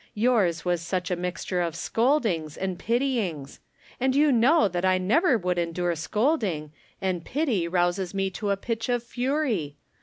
Yours was such a mixture of scoldings and pityings ! And you know that I never would endure scolding, and pity rouses me to a pitch of fury.